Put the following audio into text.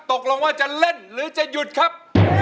ตกลงว่าจะเล่นหรือจะหยุดครับ